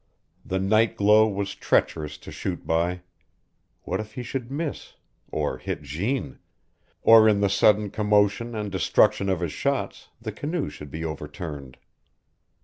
The night glow was treacherous to shoot by. What if he should miss, or hit Jeanne or in the sudden commotion and destruction of his shots the canoe should be overturned?